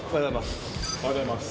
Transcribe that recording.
おはようございます。